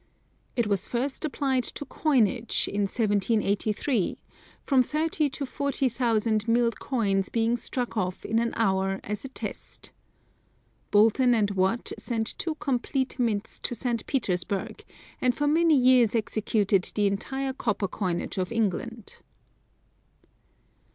It was first applied to coinage in 1783, from thirty to forty thousand milled coins being struck off in an hour as a test. Boulton & Watt sent two complete mints to St. Petersburg, and for many years executed the entire copper coinage of England.